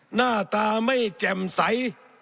หน้าตาไม่แจ่มใส